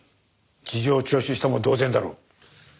事情聴取したも同然だろう。